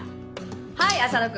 はい浅野君。